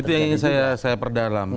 itu yang ingin saya perdalam